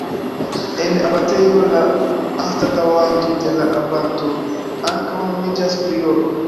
En abatejo la anstataŭanto de la abato ankaŭ nomiĝas prioro.